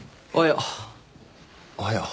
おはよう。